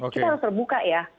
kita harus terbuka ya